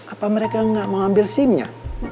apa mereka nggak mau ambil sim nya